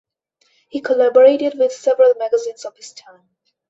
He collaborated with several magazines of his time.